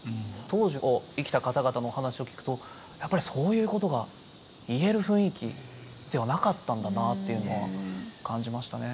当時を生きた方々のお話を聞くとやっぱりそういうことが言える雰囲気ではなかったんだなっていうのは感じましたね。